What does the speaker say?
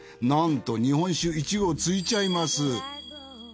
なんと日本酒１合付いちゃいます。